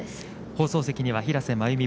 ◆放送席には平瀬真由美